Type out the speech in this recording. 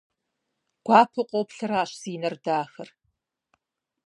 Гуапэу къоплъращ зи нэр дахэр.